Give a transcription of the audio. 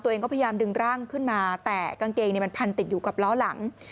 ตัวเองก็พยายามดึงร่างขึ้นมาแต่กางเกงมันพันติดอยู่กับล้อหลัง